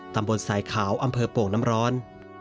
ตำบลสายขาวอำเภอโป่งน้ำร้อน